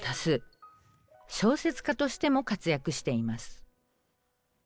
小説家としても活躍しています。